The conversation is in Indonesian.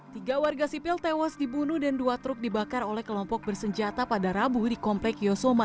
tiga warga sipil tewas dibunuh dan dua truk dibakar oleh kelompok bersenjata pada rabu di komplek yosoma